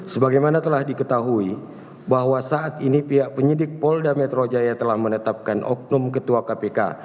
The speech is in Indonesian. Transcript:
sebagaimana telah diketahui bahwa saat ini pihak penyidik polda metro jaya telah menetapkan oknum ketua kpk